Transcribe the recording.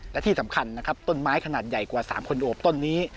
และที่สำคัญนะครับต้นไม้ขนาดใหญ่กว่า๓คนโอบต้นนี้